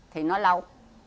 thì nó lâu